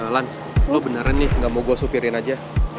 lan lo beneran nih gak mau gue supirin aja